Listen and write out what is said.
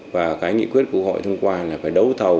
và cái nghị quyết của hội thông qua là phải đấu thầu